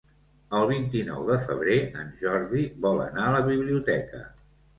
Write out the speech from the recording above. El vint-i-nou de febrer en Jordi vol anar a la biblioteca.